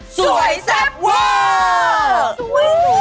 สวยแซ่บเวิร์ด